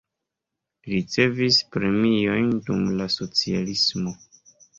Li ricevis premiojn dum la socialismo.